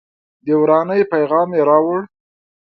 د ورانۍ پیغام یې راوړی و.